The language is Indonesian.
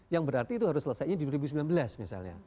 yang berarti itu harus selesainya di dua ribu sembilan belas misalnya